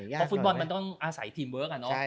เพราะฟุตบอลมันต้องอาศัยทีมเวิร์ค